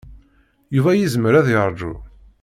Yuba yezmer ad yeṛju.